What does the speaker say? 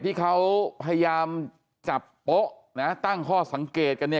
ที่เขาพยายามจับนะตั้งข้อสังเกตกันกรณี